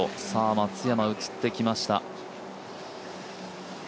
松山、映ってきました。